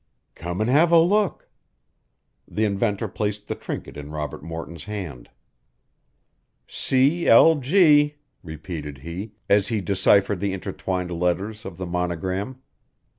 "Come an' have a look." The inventor placed the trinket in Robert Morton's hand. "C. L. G.," repeated he, as he deciphered the intertwined letters of the monogram.